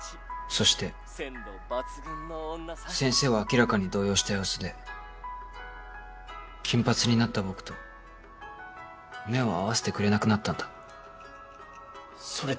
そして鮮度抜群の女さ先生は明らかに動揺した様子で金髪になった僕と目を合わせてくれなくなったんだそれ